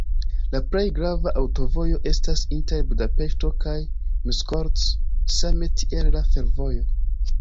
La plej grava aŭtovojo estas inter Budapeŝto kaj Miskolc, same tiel la fervojo.